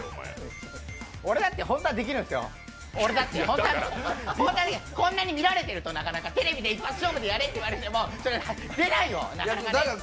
俺だって本当はできるんですよ、でもこんなに見られてるとなかなかテレビで一発勝負でやれって言われてもそれは出ないよ、なかなか。